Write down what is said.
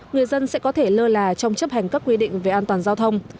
người dân sẽ có thể lơ là trong chấp hành các quy định về an toàn giao thông